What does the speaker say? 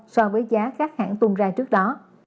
so với giá các hãng tung ra trước đó